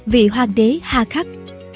vị hoàng đế hà khắc